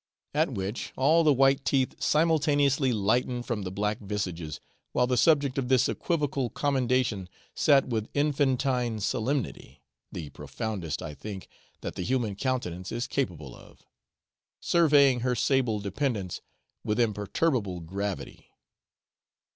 At which all the white teeth simultaneously lightened from the black visages, while the subject of this equivocal commendation sat with infantine solemnity (the profoundest, I think, that the human countenance is capable of), surveying her sable dependants with imperturbable gravity.